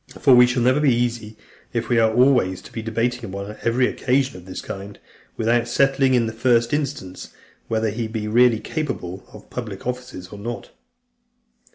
For we never shall be easy, if we are always to be debating upon every occasion of this kind, without settling, in the first instance, whether he be really capable of public offices or not.